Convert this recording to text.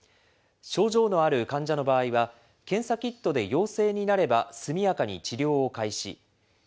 症状のある患者の場合は、検査キットで陽性になれば、速やかに治療を開始。